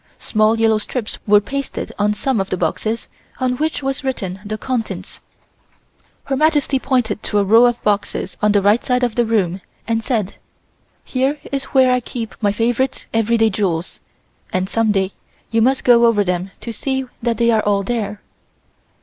Small yellow strips were pasted on some of the boxes on which was written the contents. Her Majesty pointed to a row of boxes on the right side of the room and said: "Here is where I keep my favorite everyday jewels, and some day you must go over them and see that they are all there.